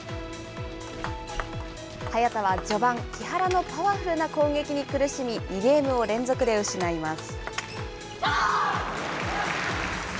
早田は序盤、木原のパワフルな攻撃に苦しみ、２ゲームを連続で失います。